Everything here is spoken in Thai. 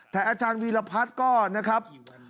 แต่อาจารย์วีรพัฒน์ก็นะครับ